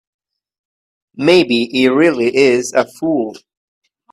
Maybe he really is a fool.